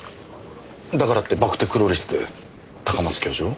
だからってバクテクロリスで高松教授を？